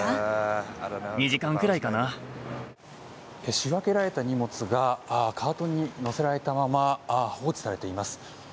仕分けられた荷物がカートに載せられたまま放置されています。